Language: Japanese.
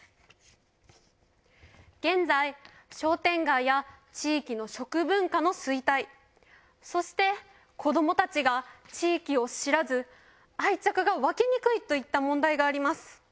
現在商店街や地域の食文化の衰退そして子どもたちが地域を知らず愛着が沸きにくいといった問題があります。